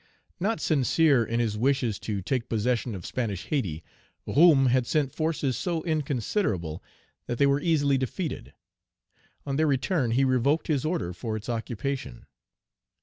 Not sincere in his wishes to take possession of Spanish Hayti, Roume had sent forces so inconsiderable, that they were easily defeated. On their return, he revoked his order for its occupation.